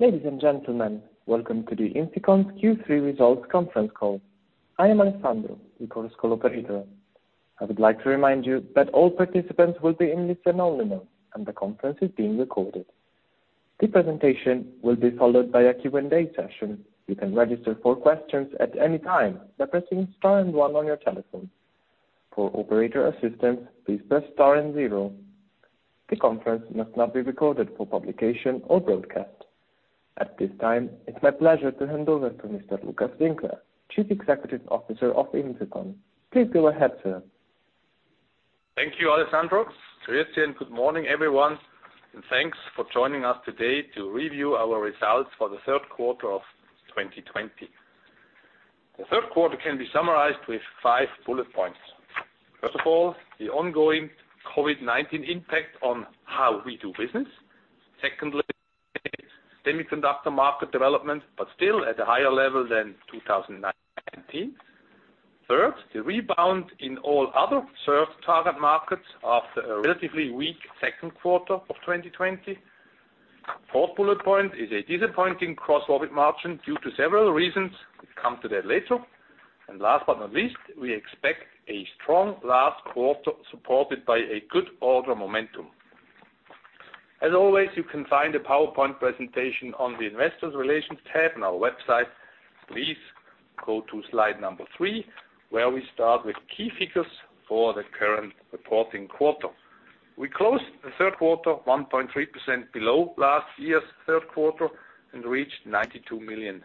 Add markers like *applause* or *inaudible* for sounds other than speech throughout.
Ladies and gentlemen, welcome to the INFICON's Q3 Results Conference Call. I am Alessandro, your call's co-operator. I would like to remind you that all participants will be in listen-only mode, and the conference is being recorded. The presentation will be followed by a Q&A session. You can register for questions at any time by pressing star and one on your telephone. For operator assistance, please press star and zero. The conference must not be recorded for publication or broadcast. At this time, it is my pleasure to hand over to Mr. Lukas Winkler, Chief Executive Officer of INFICON. Please go ahead, sir. Thank you, Alessandro. Good morning, everyone, and thanks for joining us today to review our results for the third quarter of 2020. The third quarter can be summarized with five bullet points. First of all, the ongoing COVID-19 impact on how we do business. Secondly, semiconductor market development, but still at a higher level than 2019. Third, the rebound in all other served target markets after a relatively weak second quarter of 2020. Fourth bullet point is a disappointing gross profit margin due to several reasons. We come to that later. Last but not least, we expect a strong last quarter supported by a good order momentum. As always, you can find the PowerPoint presentation on the investor relations tab on our website. Please go to slide number three, where we start with key figures for the current reporting quarter. We closed the third quarter 1.3% below last year's third quarter and reached $92 million.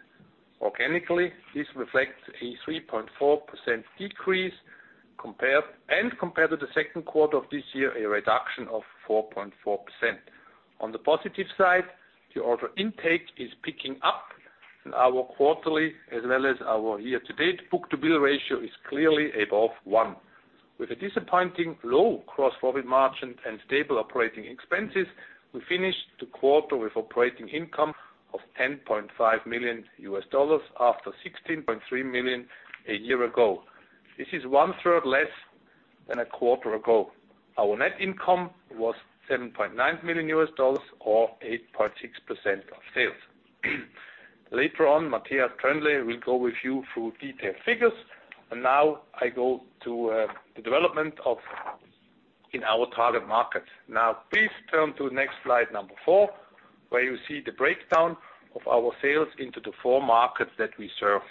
Organically, this reflects a 3.4% decrease, and compared to the second quarter of this year, a reduction of 4.4%. On the positive side, the order intake is picking up and our quarterly as well as our year-to-date book-to-bill ratio is clearly above one. With a disappointing low gross profit margin and stable operating expenses, we finished the quarter with operating income of $10.5 million after $16.3 million a year ago. This is one third less than a quarter ago. Our net income was $7.9 million or 8.6% of sales. Later on, Matthias Troendle will go with you through detailed figures. Now I go to the development in our target markets. Now, please turn to next slide number four, where you see the breakdown of our sales into the four markets that we serve.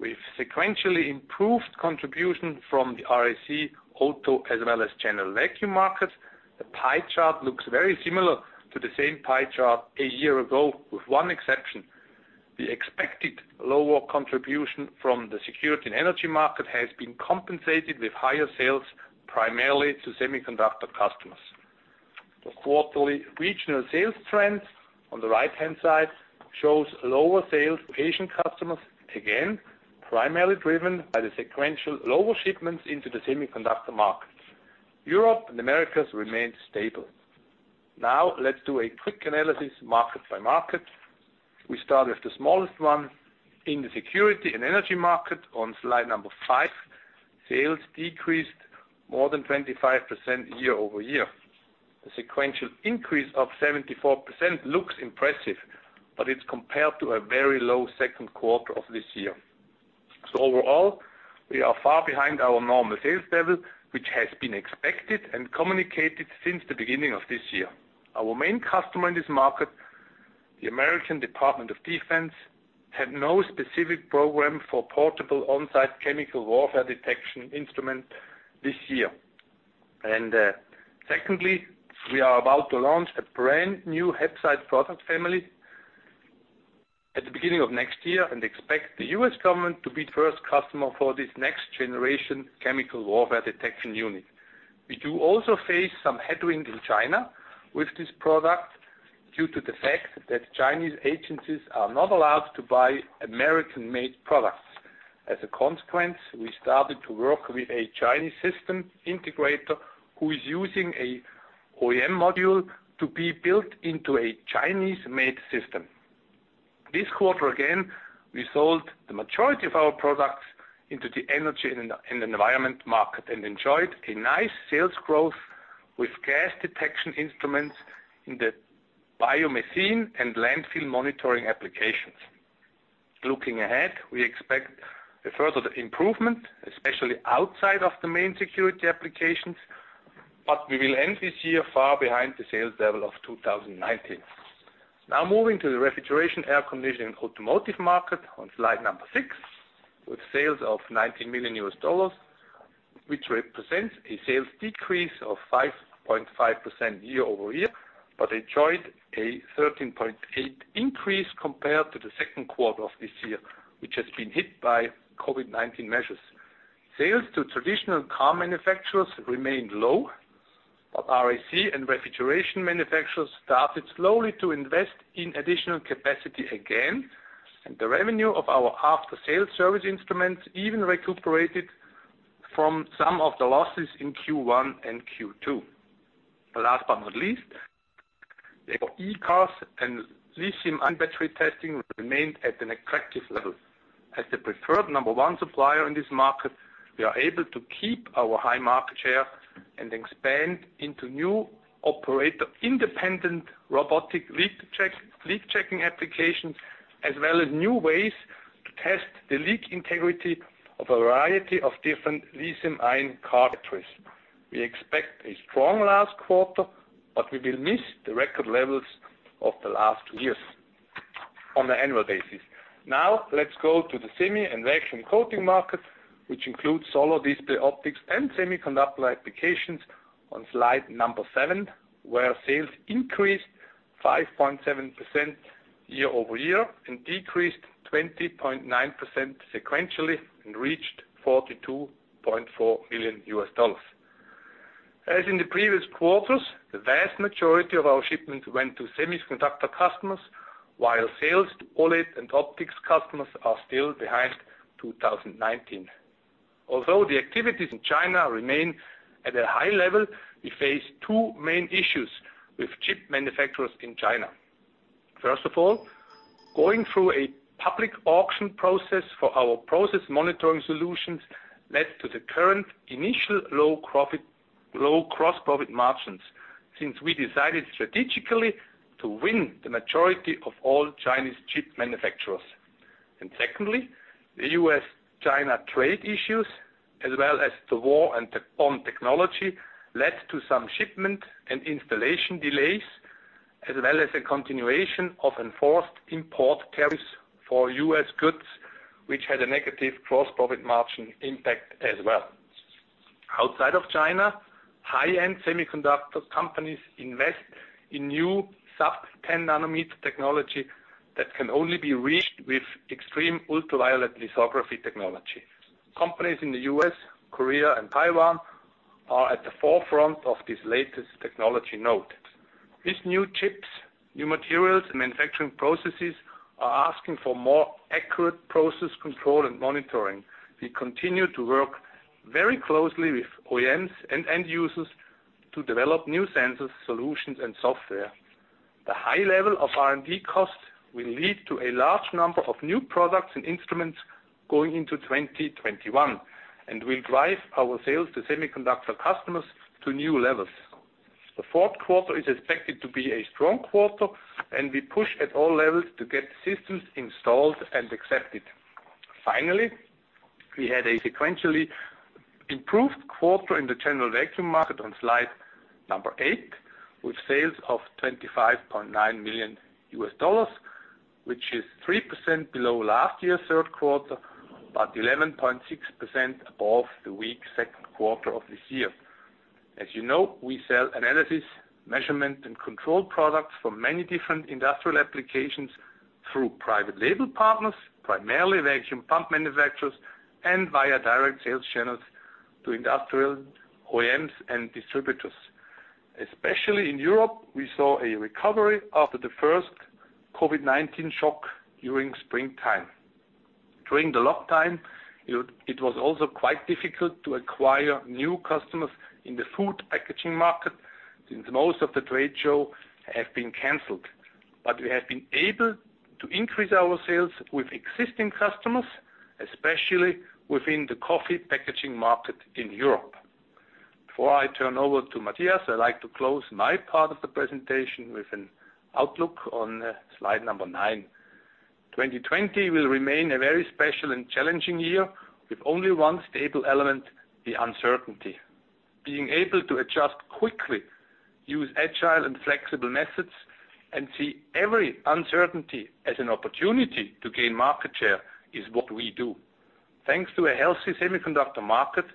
With sequentially improved contribution from the RAC auto as well as general vacuum markets, the pie chart looks very similar to the same pie chart a year ago, with one exception. The expected lower contribution from the security and energy market has been compensated with higher sales primarily to semiconductor customers. The quarterly regional sales trends on the right-hand side shows lower sales to Asian customers, again, primarily driven by the sequential lower shipments into the semiconductor market. Europe and Americas remained stable. Let's do a quick analysis market by market. We start with the smallest one in the security and energy market on slide number five. Sales decreased more than 25% year-over-year. The sequential increase of 74% looks impressive, but it's compared to a very low second quarter of this year. Overall, we are far behind our normal sales level, which has been expected and communicated since the beginning of this year. Our main customer in this market, the American Department of Defense, had no specific program for portable on-site chemical warfare detection instrument this year. Secondly, we are about to launch a brand new HAPSITE product family at the beginning of next year and expect the U.S. government to be first customer for this next generation chemical warfare detection unit. We do also face some headwind in China with this product due to the fact that Chinese agencies are not allowed to buy American-made products. As a consequence, we started to work with a Chinese system integrator who is using a OEM module to be built into a Chinese-made system. This quarter, again, we sold the majority of our products into the energy and environment market and enjoyed a nice sales growth with gas detection instruments in the biomethane and landfill monitoring applications. Looking ahead, we expect a further improvement, especially outside of the main security applications, but we will end this year far behind the sales level of 2019. Moving to the refrigeration air conditioning automotive market on slide number six, with sales of $19 million, which represents a sales decrease of 5.5% year-over-year, but enjoyed a 13.8% increase compared to the second quarter of this year, which has been hit by COVID-19 measures. Sales to traditional car manufacturers remained low, but RAC and refrigeration manufacturers started slowly to invest in additional capacity again, and the revenue of our after-sales service instruments even recuperated from some of the losses in Q1 and Q2. Last but not least, our e-cars and lithium-ion battery testing remained at an attractive level. As the preferred number one supplier in this market, we are able to keep our high market share and expand into new operator independent robotic leak-checking applications, as well as new ways to test the leak integrity of a variety of different lithium-ion cartridges. We expect a strong last quarter, but we will miss the record levels of the last years on an annual basis. Let's go to the semi and vacuum coating market, which includes solar display optics and semiconductor applications on slide number seven, where sales increased 5.7% year-over-year and decreased 20.9% sequentially and reached $42.4 million. As in the previous quarters, the vast majority of our shipments went to semiconductor customers, while sales to OLED and optics customers are still behind 2019. Although the activities in China remain at a high level, we face two main issues with chip manufacturers in China. First of all, going through a public auction process for our process monitoring solutions led to the current initial low gross profit margins, since we decided strategically to win the majority of all Chinese chip manufacturers. Secondly, the U.S.-China trade issues as well as the war on technology, led to some shipment and installation delays, as well as a continuation of enforced import tariffs for U.S. goods, which had a negative gross profit margin impact as well. Outside of China, high-end semiconductor companies invest in new sub-10 nanometer technology that can only be reached with extreme ultraviolet lithography technology. Companies in the U.S., Korea, and Taiwan are at the forefront of this latest technology node. These new chips, new materials, and manufacturing processes are asking for more accurate process control and monitoring. We continue to work very closely with OEMs and end users to develop new sensors, solutions, and software. The high level of R&D costs will lead to a large number of new products and instruments going into 2021 and will drive our sales to semiconductor customers to new levels. The fourth quarter is expected to be a strong quarter, and we push at all levels to get systems installed and accepted. Finally, we had a sequentially improved quarter in the general vacuum market on slide number eight, with sales of $25.9 million, which is 3% below last year's third quarter, but 11.6% above the weak second quarter of this year. As you know, we sell analysis, measurement, and control products for many different industrial applications through private label partners, primarily vacuum pump manufacturers and via direct sales channels to industrial OEMs and distributors. Especially in Europe, we saw a recovery after the first COVID-19 shock during springtime. During the lockdown, it was also quite difficult to acquire new customers in the food packaging market since most of the trade shows have been canceled. We have been able to increase our sales with existing customers, especially within the coffee packaging market in Europe. Before I turn over to Matthias, I’d like to close my part of the presentation with an outlook on slide number nine. 2020 will remain a very special and challenging year with only one stable element, the uncertainty. Being able to adjust quickly, use agile and flexible methods, and see every uncertainty as an opportunity to gain market share is what we do. Thanks to a healthy semiconductor market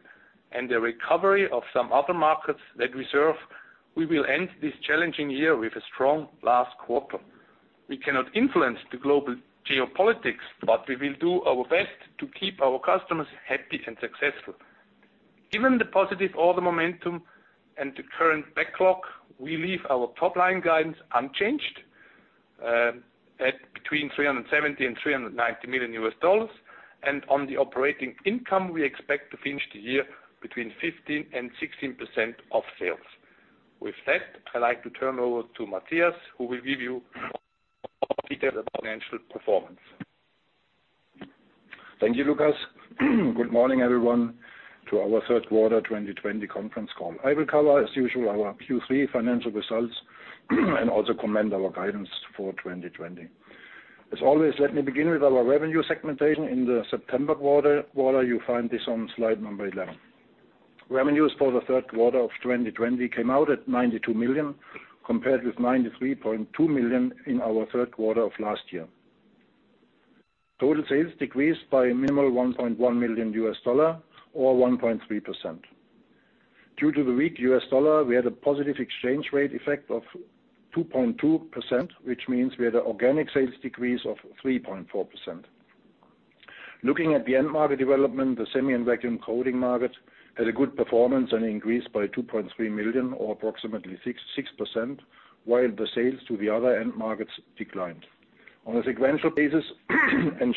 and the recovery of some other markets that we serve, we will end this challenging year with a strong last quarter. We cannot influence the global geopolitics, but we will do our best to keep our customers happy and successful. Given the positive order momentum and the current backlog, we leave our top-line guidance unchanged at between $370 million and $390 million. On the operating income, we expect to finish the year between 15% and 16% of sales. With that, I'd like to turn over to Matthias, who will give you more details about financial performance. Thank you, Lukas. Good morning, everyone, to our third quarter 2020 conference call. I will cover, as usual, our Q3 financial results and also comment our guidance for 2020. As always, let me begin with our revenue segmentation in the September quarter. You find this on slide number 11. Revenues for the third quarter of 2020 came out at $92 million, compared with $93.2 million in our third quarter of last year. Total sales decreased by a minimal $1.1 million or 1.3%. Due to the weak U.S. dollar, we had a positive exchange rate effect of 2.2%, which means we had an organic sales decrease of 3.4%. Looking at the end market development, the semi and vacuum coating market had a good performance and increased by $2.3 million or approximately 6%, while the sales to the other end markets declined.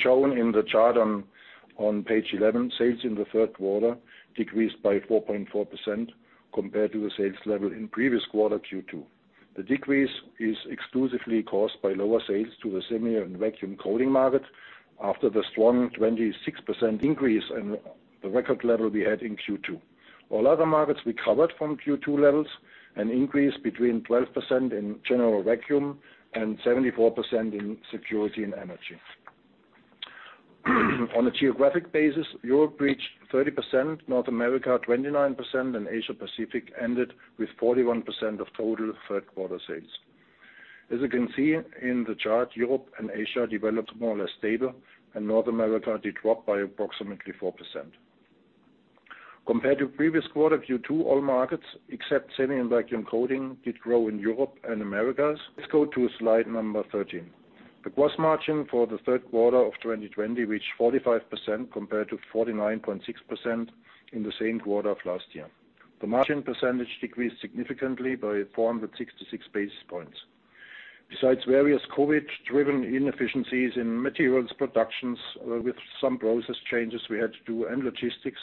Shown in the chart on page 11, sales in the third quarter decreased by 4.4% compared to the sales level in previous quarter, Q2. The decrease is exclusively caused by lower sales to the semi and vacuum coating market after the strong 26% increase and the record level we had in Q2. All other markets recovered from Q2 levels, an increase between 12% in general vacuum and 74% in security and energy. On a geographic basis, Europe reached 30%, North America 29%, Asia Pacific ended with 41% of total third-quarter sales. As you can see in the chart, Europe and Asia developed more or less stable, North America did drop by approximately 4%. Compared to previous quarter, Q2, all markets except semi and vacuum coating did grow in Europe and Americas. Let's go to slide number 13. The gross margin for the third quarter of 2020 reached 45% compared to 49.6% in the same quarter of last year. The margin percentage decreased significantly by 466 basis points. Besides various COVID-driven inefficiencies in materials productions with some process changes we had to do and logistics,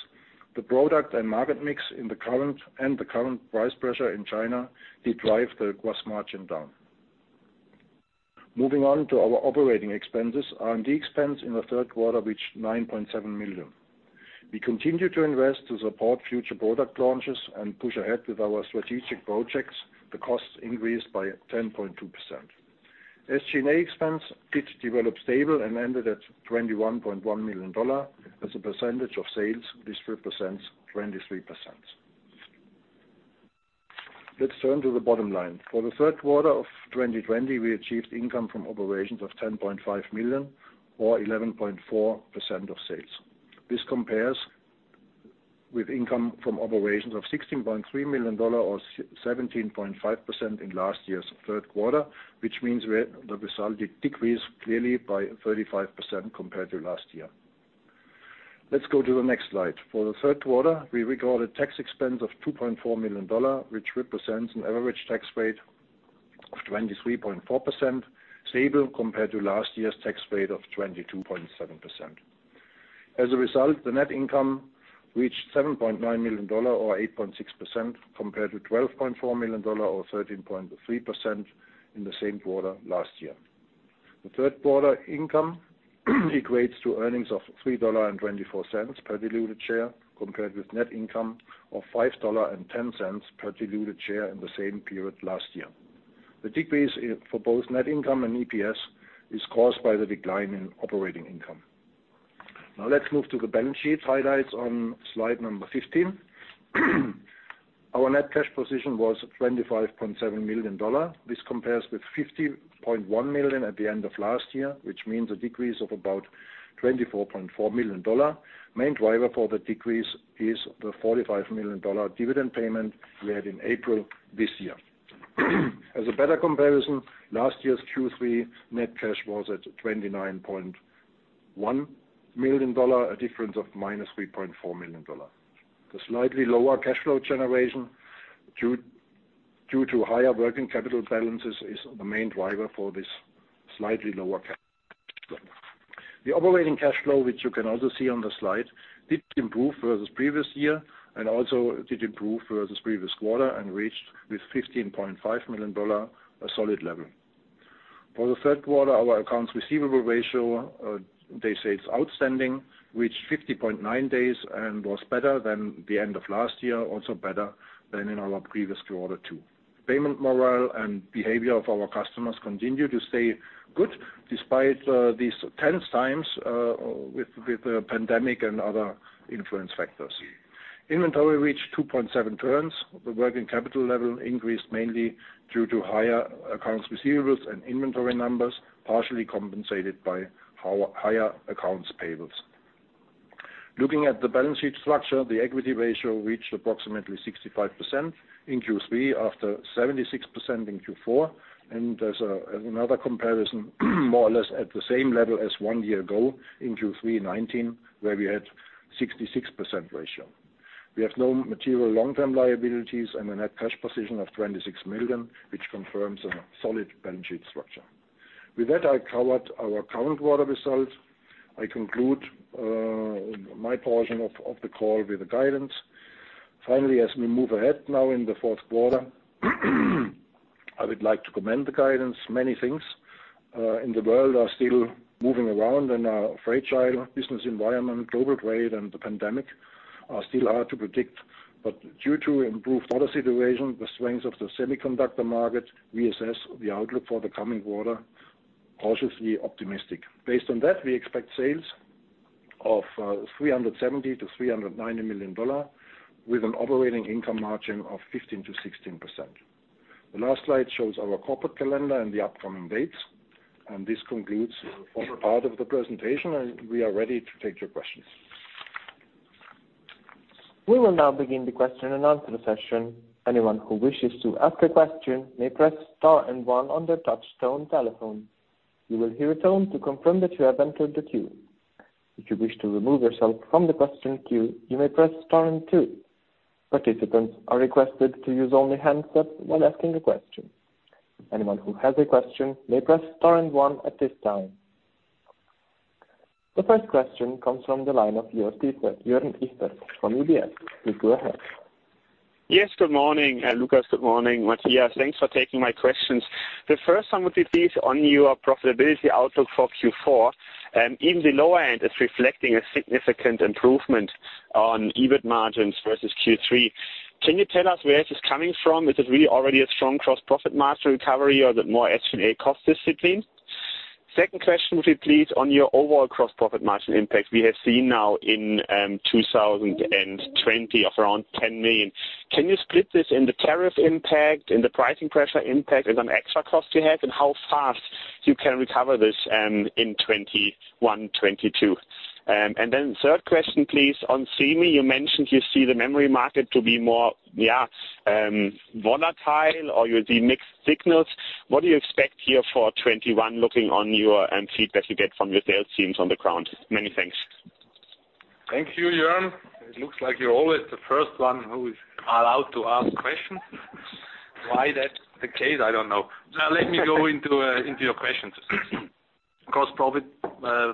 the product and market mix and the current price pressure in China did drive the gross margin down. Moving on to our operating expenses, R&D expense in the third quarter reached $9.7 million. We continue to invest to support future product launches and push ahead with our strategic projects. The cost increased by 10.2%. SG&A expense did develop stable and ended at $21.1 million. As a percentage of sales, this represents 23%. Let's turn to the bottom line. For the third quarter of 2020, we achieved income from operations of $10.5 million or 11.4% of sales. This compares with income from operations of $16.3 million or 17.5% in last year's third quarter, which means the result did decrease clearly by 35% compared to last year. Let's go to the next slide. For the third quarter, we recorded tax expense of $2.4 million, which represents an average tax rate of 23.4%, stable compared to last year's tax rate of 22.7%. As a result, the net income reached $7.9 million or 8.6%, compared to $12.4 million or 13.3% in the same quarter last year. The third quarter income equates to earnings of $3.24 per diluted share, compared with net income of $5.10 per diluted share in the same period last year. The decrease for both net income and EPS is caused by the decline in operating income. Now let's move to the balance sheet highlights on slide number 15. Our net cash position was $25.7 million. This compares with $15.1 million at the end of last year, which means a decrease of about $24.4 million. Main driver for the decrease is the $45 million dividend payment we had in April this year. As a better comparison, last year's Q3 net cash was at $29.1 million, a difference of -$3.4 million. The slightly lower cash flow generation due to higher working capital balances is the main driver for this slightly lower cash. The operating cash flow, which you can also see on the slide, did improve versus previous year and also did improve versus previous quarter and reached with $15.5 million a solid level. For the third quarter, our accounts receivable ratio, days sales outstanding, reached 50.9 days and was better than the end of last year, also better than in our previous quarter, too. Payment morale and behavior of our customers continued to stay good despite these tense times with the pandemic and other influence factors. Inventory reached 2.7 turns. The working capital level increased mainly due to higher accounts receivables and inventory numbers, partially compensated by higher accounts payables. Looking at the balance sheet structure, the equity ratio reached approximately 65% in Q3 after 76% in Q4. As another comparison, more or less at the same level as one year ago in Q3 2019, where we had 66% ratio. We have no material long-term liabilities and a net cash position of $26 million, which confirms a solid balance sheet structure. With that, I covered our current quarter results. I conclude my portion of the call with the guidance. Finally, as we move ahead now in the fourth quarter, I would like to comment the guidance. Many things in the world are still moving around in our fragile business environment. Global trade and the pandemic are still hard to predict, but due to improved order situation, the strength of the semiconductor market, we assess the outlook for the coming quarter cautiously optimistic. Based on that, we expect sales of $370 million-$390 million with an operating income margin of 15%-16%. The last slide shows our corporate calendar and the upcoming dates. This concludes our part of the presentation, and we are ready to take your questions. We will now begin the question and answer session. Anyone who wishes to ask a question may press star and one on their touchtone telephone. You will hear a tone to confirm that you have entered the queue. If you wish to remove yourself from the question queue, you may press star and two. Participants are requested to use only handsets when asking a question. Anyone who has a question may press star and one at this time. The first question comes from the line of Joern Iffert from UBS. Please go ahead. Yes, good morning, Lukas. Good morning, Matthias. Thanks for taking my questions. The first one would be please on your profitability outlook for Q4, and in the lower end is reflecting a significant improvement on EBIT margins versus Q3. Can you tell us where this is coming from? Is it really already a strong gross profit margin recovery or is it more SG&A cost discipline? Second question would be, please, on your overall gross profit margin impact. We have seen now in 2020 of around $10 million. Can you split this in the tariff impact, in the pricing pressure impact as an extra cost you had, and how fast you can recover this in 2021, 2022? Third question, please, on semi. You mentioned you see the memory market to be more volatile or you see mixed signals. What do you expect here for 2021, looking on your end feed that you get from your sales teams on the ground? Many thanks. Thank you, Joern. It looks like you're always the first one who is allowed to ask questions. Why that's the case, I don't know. Let me go into your questions. Gross profit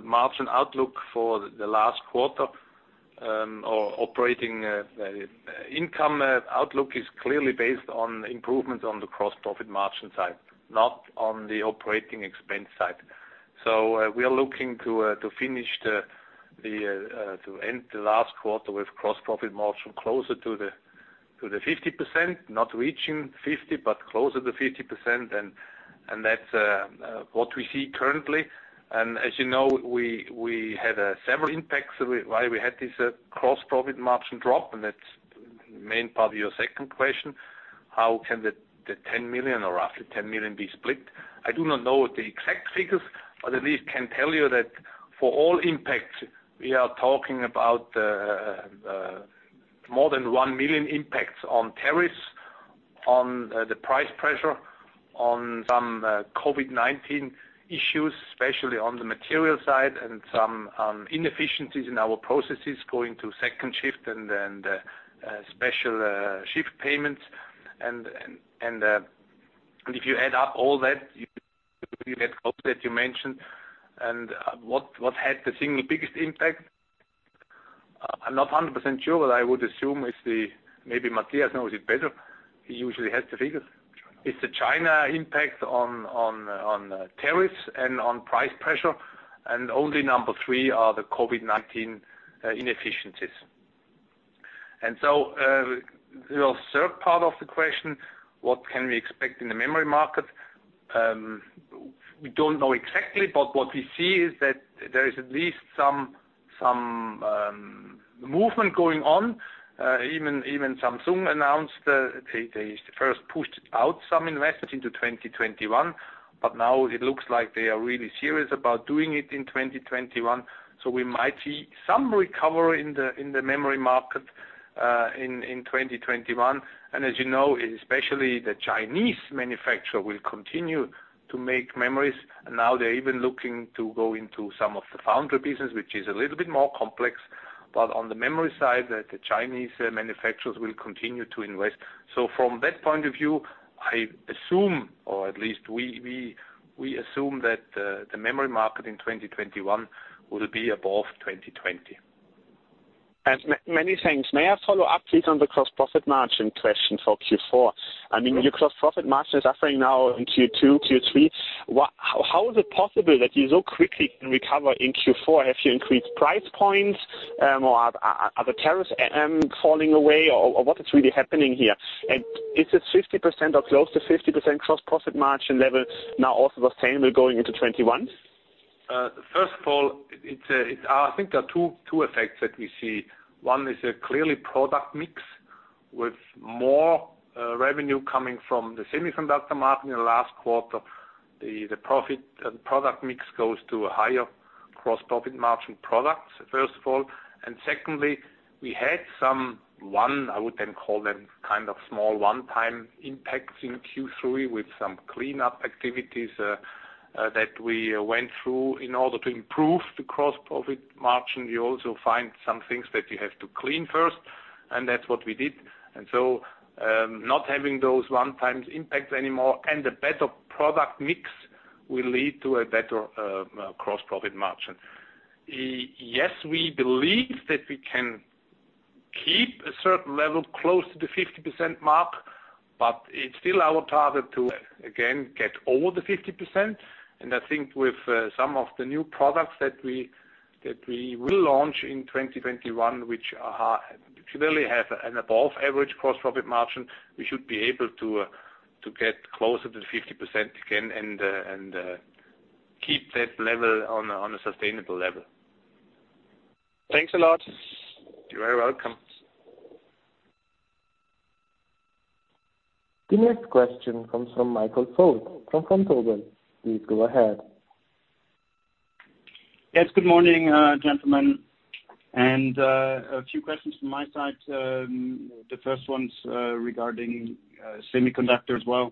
margin outlook for the last quarter or operating income outlook is clearly based on improvements on the gross profit margin side, not on the operating expense side. We are looking to end the last quarter with gross profit margin closer to 50%, not reaching 50%, but closer to 50%. That's what we see currently. As you know, we had several impacts why we had this gross profit margin drop. That's main part of your second question, how can the roughly $10 million be split? I do not know the exact figures, but at least can tell you that for all impacts, we are talking about more than 1 million impacts on tariffs, on the price pressure, on some COVID-19 issues, especially on the material side and some inefficiencies in our processes going to second shift and then the special shift payments. If you add up all that, you get close that you mentioned and what had the single biggest impact? I'm not 100% sure, but I would assume it's the maybe Matthias knows it better. He usually has the figures. It's the China impact on tariffs and on price pressure. Only number three are the COVID-19 inefficiencies. Your third part of the question, what can we expect in the memory market? We don't know exactly. What we see is that there is at least some movement going on. Even Samsung announced they first pushed out some investments into 2021. Now it looks like they are really serious about doing it in 2021. We might see some recovery in the memory market in 2021. As you know, especially the Chinese manufacturer will continue to make memories. Now they're even looking to go into some of the foundry business, which is a little bit more complex. On the memory side, the Chinese manufacturers will continue to invest. From that point of view, I assume, or at least we assume that the memory market in 2021 will be above 2020. Many thanks. May I follow up, please, on the gross profit margin question for Q4? Your gross profit margin is suffering now in Q2, Q3. How is it possible that you so quickly can recover in Q4? Have you increased price points or are the tariffs falling away or what is really happening here? Is it 50% or close to 50% gross profit margin level now also sustainable going into 2021? First of all, I think there are two effects that we see. One is a clearly product mix with more revenue coming from the semiconductor market in the last quarter. The product mix goes to a higher gross profit margin products, first of all. Secondly, we had some one, I would then call them kind of small one-time impacts in Q3 with some cleanup activities that we went through in order to improve the gross profit margin. You also find some things that you have to clean first, and that's what we did. Not having those one-time impacts anymore and the better product mix will lead to a better gross profit margin. Yes, we believe that we can keep a certain level close to the 50% mark, but it's still our target to, again, get over the 50%. I think with some of the new products that we will launch in 2021, which clearly have an above average gross profit margin, we should be able to get closer to 50% again and keep that level on a sustainable level. Thanks a lot. You're very welcome. The next question comes from Michael Foeth, from Vontobel. Please go ahead. Yes, good morning gentlemen, and a few questions from my side. The first one's regarding semiconductor as well.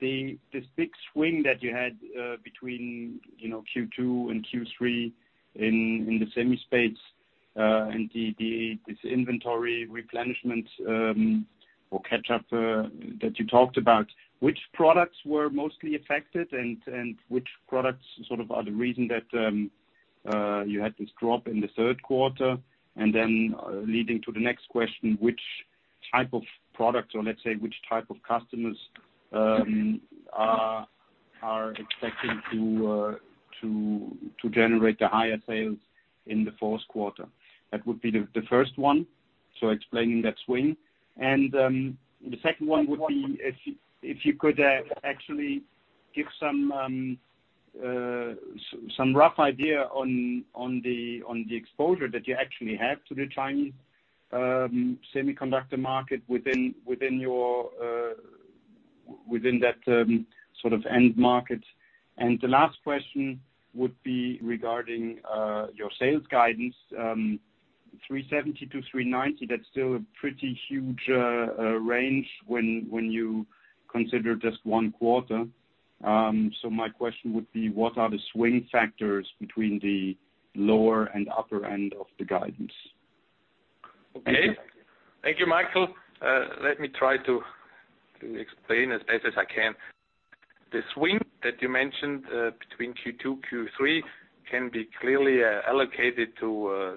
This big swing that you had between Q2 and Q3 in the semi space, and this inventory replenishment or catch-up that you talked about, which products were mostly affected, and which products sort of are the reason that you had this drop in the third quarter? Leading to the next question, which type of products, or let's say, which type of customers are expecting to generate the higher sales in the fourth quarter? That would be the first one, so explaining that swing. The second one would be if you could actually give some rough idea on the exposure that you actually have to the Chinese semiconductor market within that sort of end market. The last question would be regarding your sales guidance, $370-$390, that's still a pretty huge range when you consider just one quarter. My question would be, what are the swing factors between the lower and upper end of the guidance? Okay. Thank you, Michael. Let me try to explain as best as I can. The swing that you mentioned between Q2, Q3 can be clearly allocated to,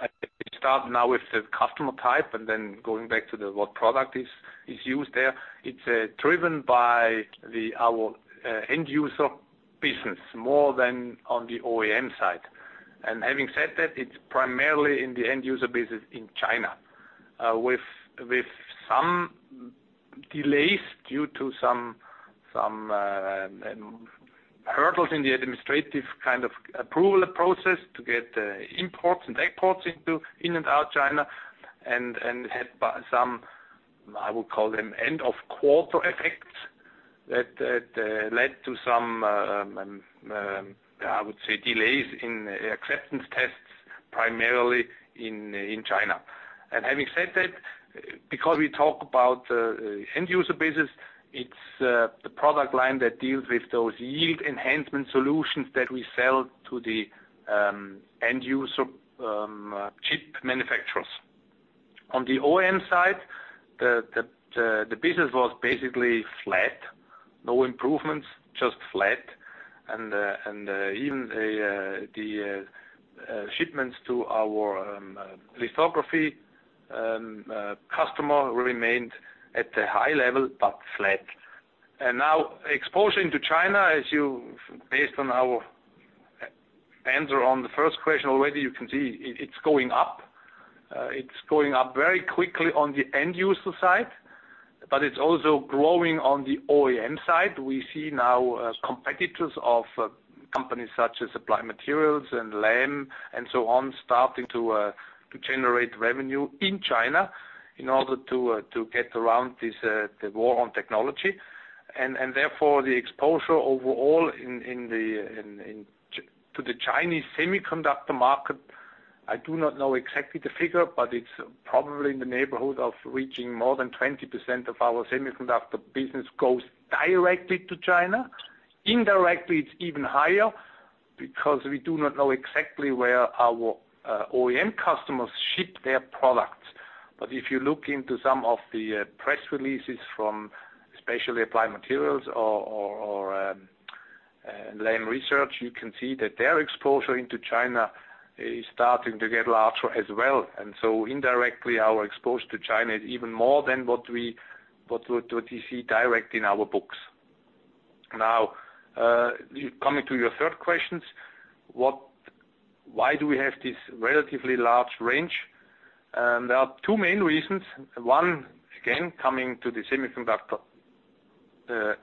I think we start now with the customer type and then going back to what product is used there. It's driven by our end user business more than on the OEM side. Having said that, it's primarily in the end user business in China, with some delays due to some hurdles in the administrative kind of approval process to get imports and exports in and out China and had some, I would call them end of quarter effects that led to some, I would say, delays in acceptance tests, primarily in China. Having said that, because we talk about end user business, it's the product line that deals with those yield enhancement solutions that we sell to the end user chip manufacturers. On the OEM side, the business was basically flat. No improvements, just flat. Even the shipments to our lithography customer remained at a high level, but flat. Now exposure into China, based on our answer on the first question already, you can see it's going up. It's going up very quickly on the end user side, but it's also growing on the OEM side. We see now competitors of companies such as Applied Materials and Lam and so on, starting to generate revenue in China in order to get around the war on technology. Therefore, the exposure overall to the Chinese semiconductor market, I do not know exactly the figure, but it's probably in the neighborhood of reaching more than 20% of our semiconductor business goes directly to China. Indirectly, it's even higher because we do not know exactly where our OEM customers ship their products. If you look into some of the press releases from, especially Applied Materials or Lam Research, you can see that their exposure into China is starting to get larger as well. Indirectly, our exposure to China is even more than what we see direct in our books. Coming to your third questions, why do we have this relatively large range? There are two main reasons. One, again, coming to the semiconductor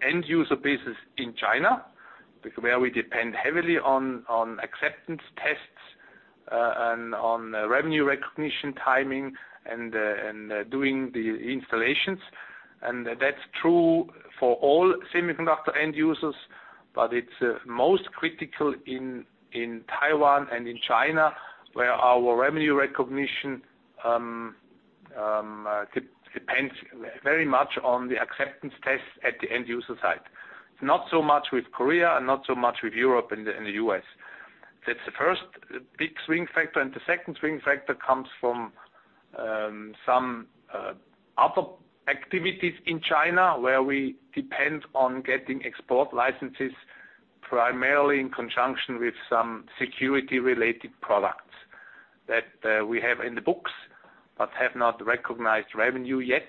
end user business in China, where we depend heavily on acceptance tests and on revenue recognition timing and doing the installations. That's true for all semiconductor end users, but it's most critical in Taiwan and in China, where our revenue recognition depends very much on the acceptance test at the end user side. Not so much with Korea and not so much with Europe and the U.S. That's the first big swing factor. The second swing factor comes from some other activities in China, where we depend on getting export licenses, primarily in conjunction with some security-related products that we have in the books but have not recognized revenue yet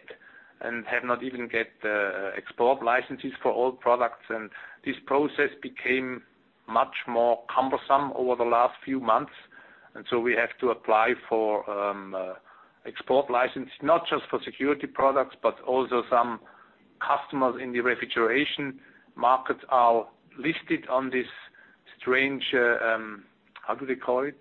and have not even get export licenses for all products. This process became much more cumbersome over the last few months. So we have to apply for export license, not just for security products, but also some customers in the refrigeration markets are listed on this strange, how do they call it?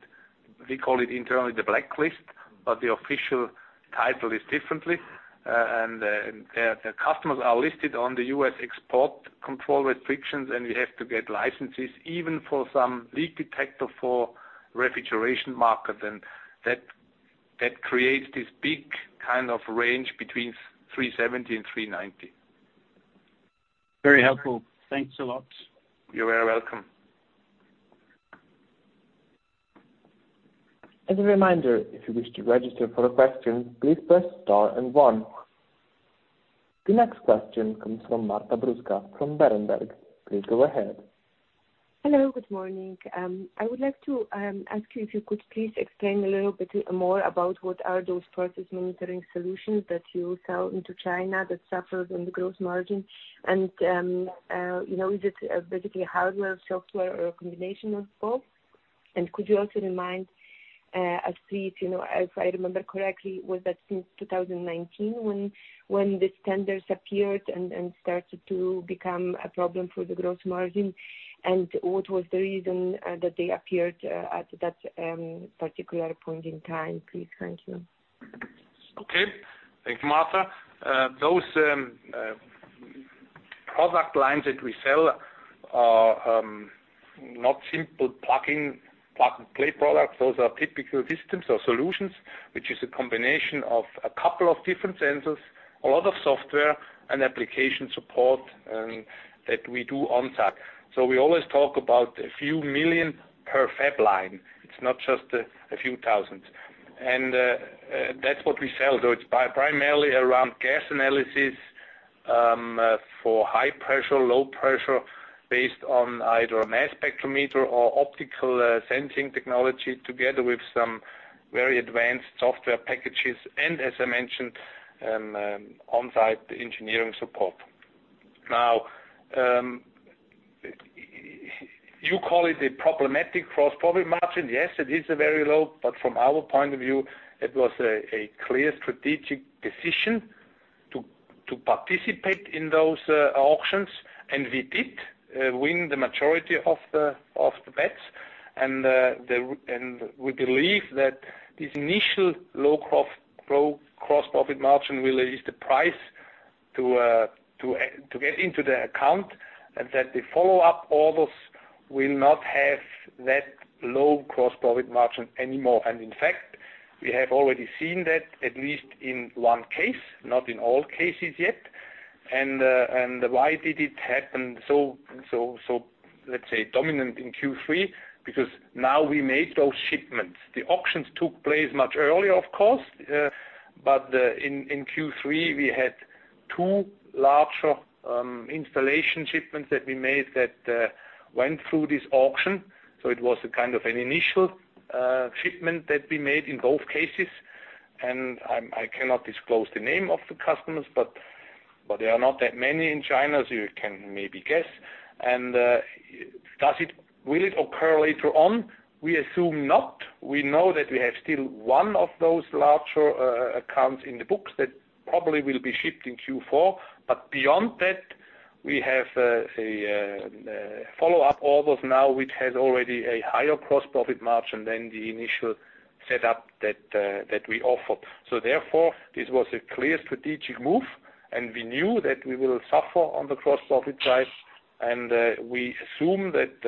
We call it internally the blacklist, but the official title is differently. The customers are listed on the US export control restrictions, and we have to get licenses even for some leak detector for refrigeration market. That creates this big range between $370 and $390. Very helpful. Thanks a lot. You are very welcome. As a reminder, if you wish to register for a question, please press star and one. The next question comes from Marta Bruska from Berenberg. Please go ahead. Hello, good morning. I would like to ask you if you could please explain a little bit more about what are those process monitoring solutions that you sell into China that suffered in the gross margin. Is it basically hardware, software, or a combination of both? Could you also remind us, please, if I remember correctly, was that since 2019 when these tenders appeared and started to become a problem for the gross margin? What was the reason that they appeared at that particular point in time, please? Thank you. Thank you, Marta. Those product lines that we sell are not simple plug and play products. Those are typical systems or solutions, which is a combination of a couple of different sensors, a lot of software, and application support that we do on site. We always talk about a few million per fab line. It's not just a few thousand. That's what we sell, though it's primarily around gas analysis for high pressure, low pressure based on either mass spectrometer or optical sensing technology, together with some very advanced software packages and, as I mentioned, on-site engineering support. You call it a problematic gross profit margin. Yes, it is very low, from our point of view, it was a clear strategic decision to participate in those auctions. We did win the majority of the bets, and we believe that this initial low gross profit margin will ease the price to get into the account, and that the follow-up orders will not have that low gross profit margin anymore. In fact, we have already seen that at least in one case, not in all cases yet. Why did it happen let's say dominant in Q3? Because now we made those shipments. The auctions took place much earlier, of course, but in Q3, we had two larger installation shipments that we made that went through this auction. It was a kind of an initial shipment that we made in both cases. I cannot disclose the name of the customers, but there are not that many in China, so you can maybe guess. Will it occur later on? We assume not. We know that we have still one of those larger accounts in the books that probably will be shipped in Q4. Beyond that, we have follow-up orders now, which has already a higher gross profit margin than the initial setup that we offered. Therefore, this was a clear strategic move, and we knew that we will suffer on the gross profit side. We assume that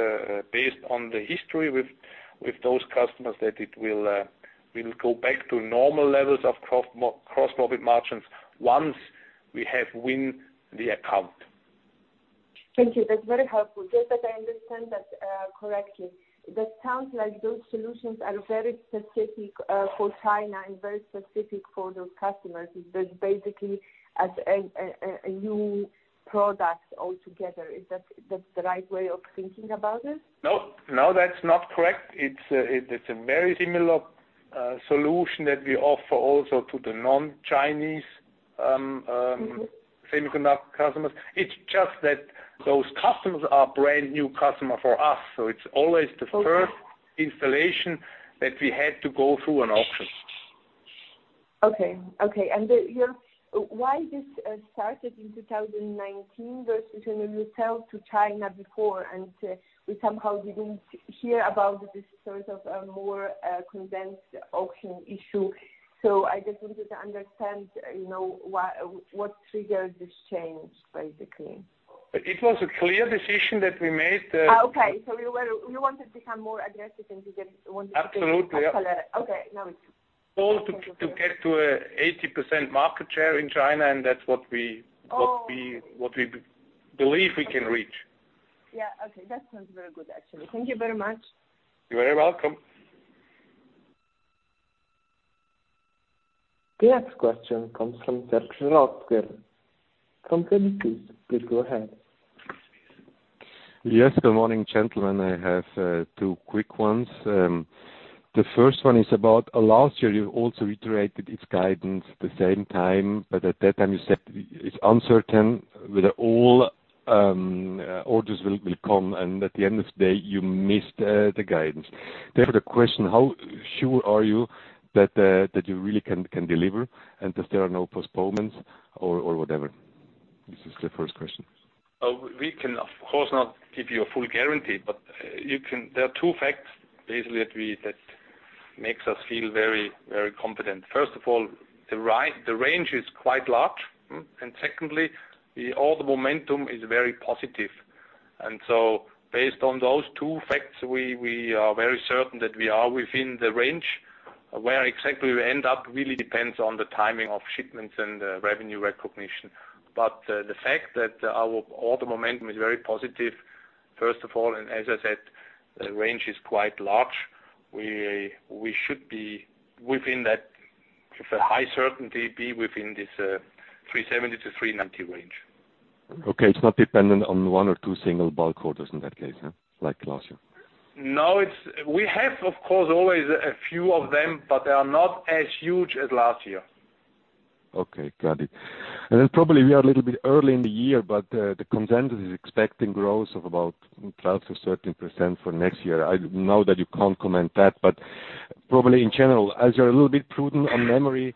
based on the history with those customers, that it will go back to normal levels of gross profit margins once we have win the account. Thank you. That's very helpful. Just that I understand that correctly, that sounds like those solutions are very specific for China and very specific for those customers. It's just basically a new product altogether. Is that the right way of thinking about it? No, that's not correct. It's a very similar solution that we offer also to the non-Chinese semiconductor customers. It's just that those customers are brand new customer for us, so it's always the first installation that we had to go through an auction. Okay. Why this started in 2019 versus when you sell to China before, and we somehow didn't hear about this sort of a more condensed auction issue. I just wanted to understand what triggered this change, basically. It was a clear decision that we made. Okay, you wanted to become more aggressive and you just wanted to- Absolutely. Okay, now I get it. All to get to a 80% market share in China, and that's what we believe we can reach. Yeah. Okay. That sounds very good, actually. Thank you very much. You're very welcome. The next question comes from. *inaudible* Please go ahead. Yes, good morning, gentlemen. I have two quick ones. The first one is about last year, you also reiterated its guidance the same time. At that time you said it's uncertain whether all orders will come, and at the end of the day, you missed the guidance. Therefore, the question, how sure are you that you really can deliver and that there are no postponements or whatever? This is the first question. We can, of course, not give you a full guarantee, but there are two facts basically, that makes us feel very confident. First of all, the range is quite large, and secondly, all the momentum is very positive. Based on those two facts, we are very certain that we are within the range. Where exactly we end up really depends on the timing of shipments and revenue recognition. The fact that our order momentum is very positive, first of all, and as I said, the range is quite large, we should be within that, with a high certainty, be within this $370-$390 range. Okay. It's not dependent on one or two single bulk orders in that case, like last year? No. We have, of course, always a few of them, but they are not as huge as last year. Okay, got it. Probably we are a little bit early in the year, but the consensus is expecting growth of about 12%-13% for next year. I know that you can't comment that, but probably in general, as you're a little bit prudent on memory,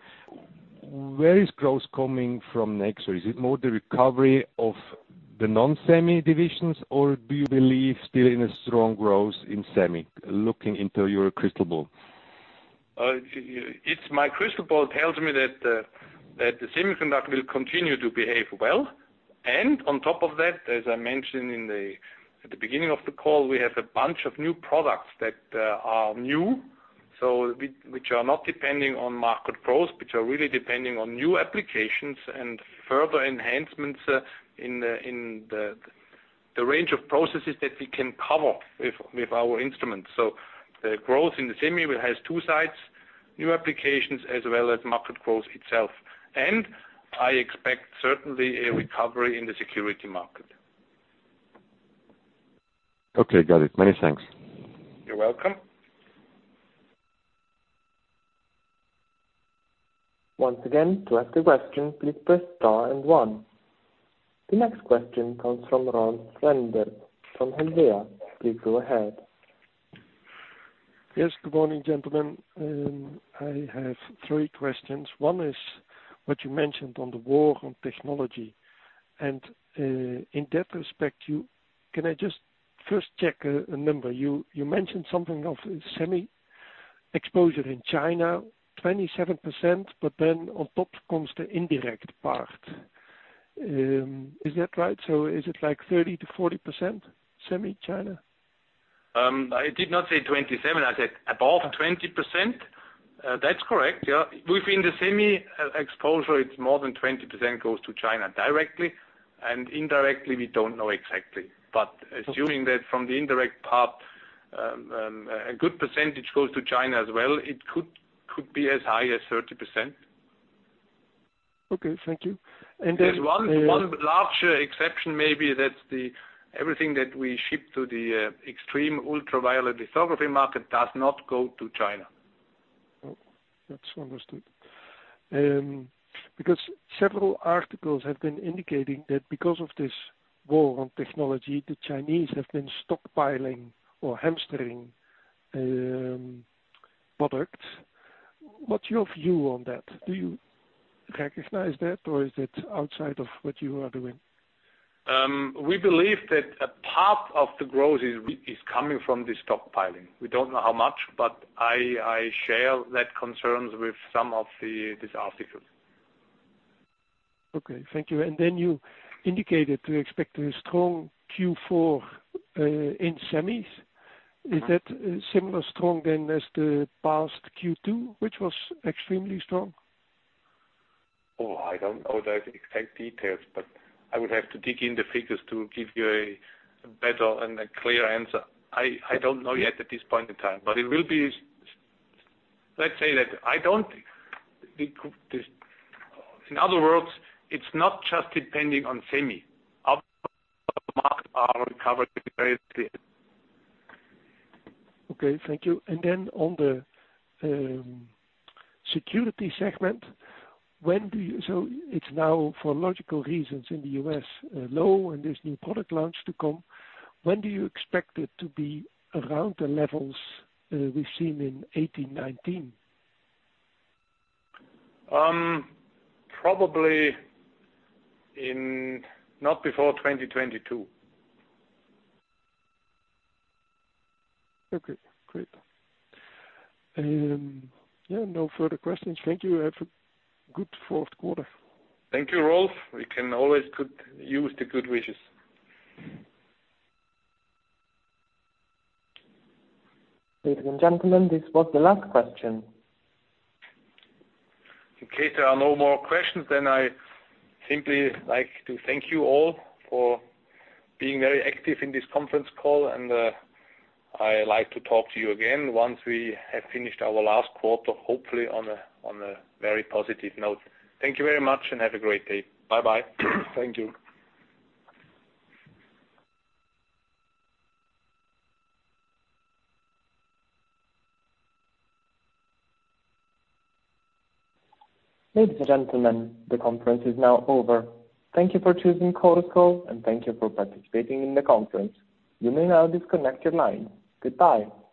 where is growth coming from next? Is it more the recovery of the non-semi divisions? Do you believe still in a strong growth in semi, looking into your crystal ball? My crystal ball tells me that the semiconductor will continue to behave well, and on top of that, as I mentioned at the beginning of the call, we have a bunch of new products that are new, which are not depending on market growth, which are really depending on new applications and further enhancements in the range of processes that we can cover with our instruments. The growth in the semi has two sides, new applications as well as market growth itself. I expect certainly a recovery in the security market. Okay, got it. Many thanks. You're welcome. Once again, to ask a question, please press star and one. The next question comes from [Rolf Swendenberg] from Helvea. Please go ahead. Yes, good morning, gentlemen. I have three questions. One is what you mentioned on the war on technology. In that respect, can I just first check a number? You mentioned something of semi exposure in China, 27%, but then on top comes the indirect part. Is that right? Is it like 30%-40% semi China? I did not say 27%. I said above 20%. That's correct. Yeah. Within the semi exposure, it's more than 20% goes to China directly, and indirectly we don't know exactly. Assuming that from the indirect part, a good percentage goes to China as well, it could be as high as 30%. Okay, thank you. There's one large exception maybe, that's everything that we ship to the extreme ultraviolet lithography market does not go to China. That's understood. Several articles have been indicating that because of this war on technology, the Chinese have been stockpiling or hamstering products. What's your view on that? Do you recognize that, or is it outside of what you are doing? We believe that a part of the growth is coming from this stockpiling. We don't know how much, but I share that concerns with some of these articles. Okay, thank you. You indicated to expect a strong Q4 in semis. Is that similar strong then as the past Q2, which was extremely strong? I don't know the exact details. I would have to dig in the figures to give you a better and a clear answer. I don't know yet at this point in time, but let's say that in other words, it's not just depending on semi. Other markets are recovered very clearly. Okay, thank you. On the security segment, it's now for logical reasons in the U.S., low and there's new product launch to come. When do you expect it to be around the levels we've seen in 2018, 2019? Probably not before 2022. Okay, great. Yeah, no further questions. Thank you. Have a good fourth quarter. Thank you, [Rolf]. We always could use the good wishes. Ladies and gentlemen, this was the last question. In case there are no more questions, I simply like to thank you all for being very active in this conference call, and I like to talk to you again once we have finished our last quarter, hopefully on a very positive note. Thank you very much and have a great day. Bye-bye. Thank you. Ladies and gentlemen, the conference is now over. Thank you for choosing Chorus Call, and thank you for participating in the conference. You may now disconnect your lines. Goodbye.